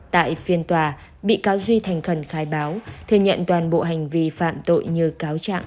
tại phiên tòa bị cáo duy thành khẩn khai báo thừa nhận toàn bộ hành vi phạm tội như cáo trạng